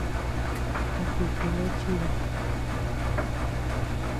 ¿A ti kane chidad?